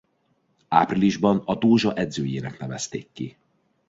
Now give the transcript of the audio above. Áprilisban a Dózsa edzőjének nevezték ki.